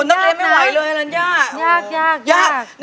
น้องเลน่าไม่ไหวเลยอ่ะละยากวันนี้ยากนะ